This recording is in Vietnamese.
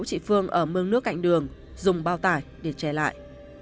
chị phương ở mương nước cạnh đường dùng bao tải để che lại